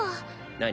何？